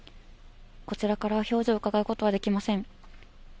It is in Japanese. こちらからは表情をうかがうことはできません。